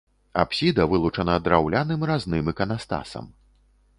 Апсіда вылучана драўляным разным іканастасам.